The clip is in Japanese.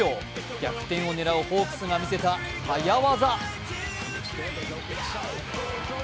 逆転を狙うホークスが見せた早業！